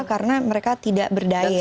karena mereka tidak berdaya